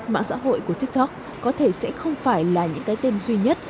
mạng xã hội của tiktok có thể sẽ không phải là những cái tên duy nhất